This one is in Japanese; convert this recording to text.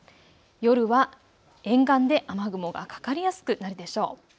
夜は沿岸で雨雲がかかりやすくなるでしょう。